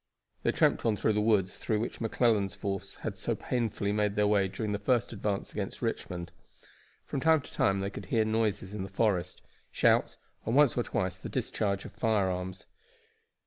They tramped on through the woods through which McClellan's force had so painfully made their way during their first advance against Richmond. From time to time they could hear noises in the forest shouts, and once or twice the discharge of firearms.